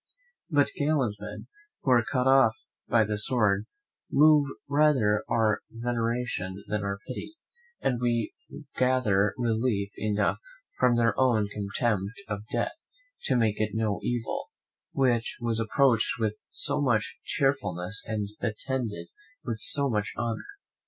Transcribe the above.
But gallant men, who are cut oft by the sword, move rather our veneration than our pity; and we gather relief enough from their own contempt of death, to make it no evil, which was approached with so much cheerfulness, and attended with so much honour.